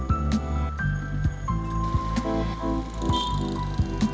pusat peradaban dan kebudayaan lokal